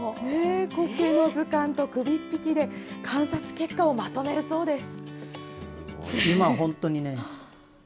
コケの図鑑と首っ引きで、観察結果をまとめるそうです。